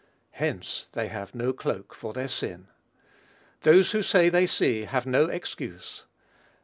Hence "they have no cloak for their sin." Those who say they see have no excuse.